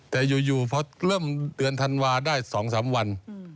แต่อยู่พอเริ่มเดือนธันวาได้๒๓วัน